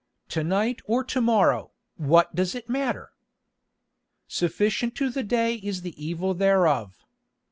To night or to morrow, what does it matter?" "Sufficient to the day is the evil thereof.